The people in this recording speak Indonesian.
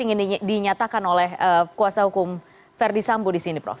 ingin dinyatakan oleh kuasa hukum verdi sambo di sini prof